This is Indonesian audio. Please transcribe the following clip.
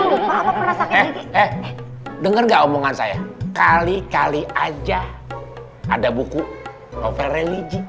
merasa kayak eh denger gak omongan saya kali kali aja ada buku novel religi